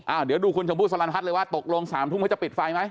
เดี๋ยวดูคุณชมพู่สลันพัฒน์เลยว่าตกลง๓ทุ่มเขาจะปิดไฟไหม